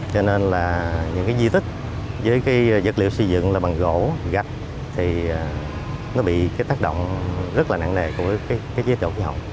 cho nên là những di tích với vật liệu xây dựng là bằng gỗ gạch thì nó bị tác động rất là nặng nề của chế độ khí hậu